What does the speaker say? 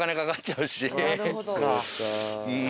うん。